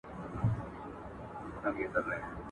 تر وروستي حده پورې مقاومت وکړه.